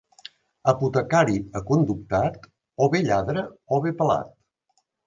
Apotecari aconductat, o bé lladre o bé pelat.